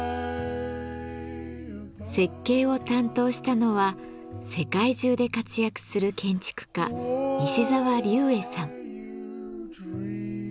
設計を担当したのは世界中で活躍する建築家・西沢立衛さん。